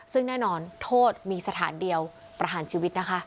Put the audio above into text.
ซึ่งแน่นอนโทษมีสถานเดียวประหารชีวิตนะคะ